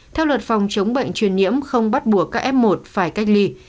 theo luật phòng chống bệnh truyền nhiễm không bắt buộc các f một phải cách ly